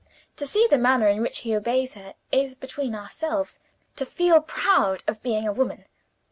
To see the manner in which he obeys Her is, between ourselves, to feel proud of being a woman.